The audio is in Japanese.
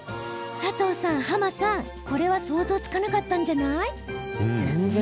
佐藤さん、濱さん、これは想像つかなかったんじゃない？